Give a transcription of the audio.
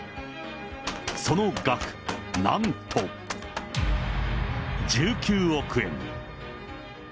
その額、なんと１９億円。